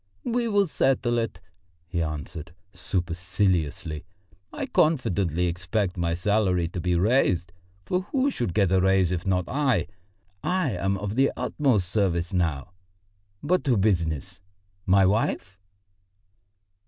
"We will settle it," he answered superciliously. "I confidently expect my salary to be raised, for who should get a raise if not I? I am of the utmost service now. But to business. My wife?"